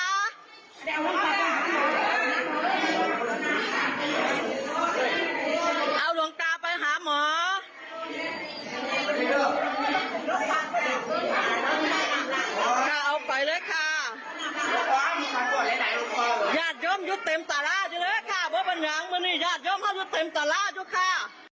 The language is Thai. ยาดย่มอยู่เต็มตลาดเลยค้าบ๊วยบรรยางมันนี่ยาดย่มอยู่เต็มตลาดเลยค้า